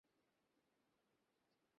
এটা ভালো করছেন না।